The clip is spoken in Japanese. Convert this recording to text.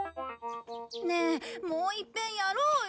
ねえもういっぺんやろうよ！